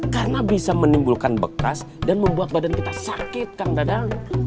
karena bisa menimbulkan bekas dan membuat badan kita sakit kang dadang